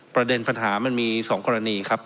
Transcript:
ประเด็นปัญหามันมี๒กรณีครับ